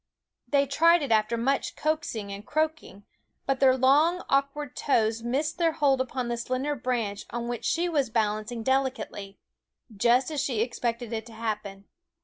They tried it after much coaxing and croaking; but their long, awkward toes missed their hold upon the slender branch on which she was balan cing delicately just as she expected it to happen.